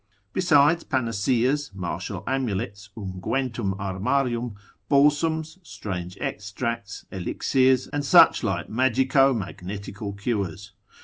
Besides panaceas, martial amulets, unguentum armarium, balsams, strange extracts, elixirs, and such like magico magnetical cures.